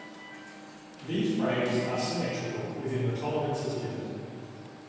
These rails are symmetrical within the tolerances given.